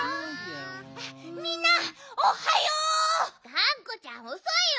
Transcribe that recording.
がんこちゃんおそいよ！